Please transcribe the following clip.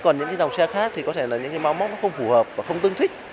còn những dòng xe khác thì có thể là những máu móc không phù hợp và không tương thích